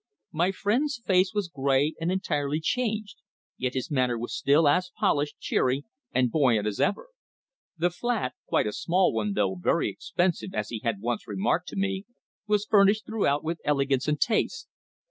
My friend's face was grey and entirely changed, yet his manner was still as polished, cheery, and buoyant as ever. The flat quite a small one, though very expensive as he had once remarked to me was furnished throughout with elegance and taste.